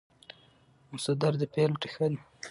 مصدر د فعل ریښه ده.